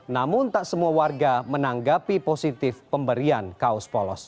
namun tak semua warga menanggapi positif pemberian kaos polos